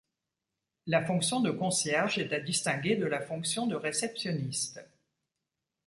La fonction de concierge est à distinguer de la fonction de réceptionniste.